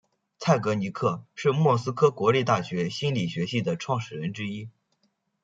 蔡格尼克是莫斯科国立大学心理学系的创立人之一。